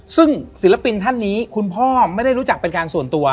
ซึ่งศิลปินท่านนี้คุณพ่อไม่ได้รู้จักเป็นการส่วนตัว